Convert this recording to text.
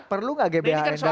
perlu gak gbhn dalam konstitusi